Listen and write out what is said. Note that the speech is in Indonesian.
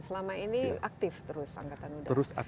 selama ini aktif terus angkatan udara